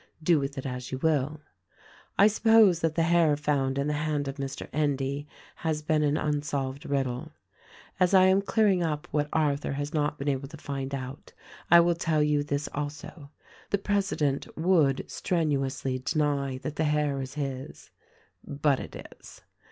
Do with it as you will. "I suppose that the hair found in the hand of Mr. Endy has been an unsolved riddle. As I am clearing up what Arthur has not been able to find out I will tell yon this also. The president would strenuously deny that the hair is his, but it is.